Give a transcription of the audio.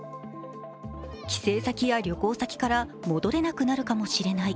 帰省先や旅行先から戻れなくなるかもしれない。